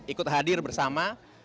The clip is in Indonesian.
ikut hadir bersama